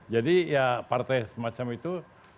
jadi ya partai semacam itu